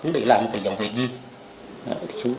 để lại một cái dòng vệ vi